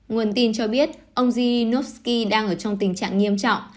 nguồn tin cho biết ông zyenovsky đang ở trong tình trạng nghiêm trọng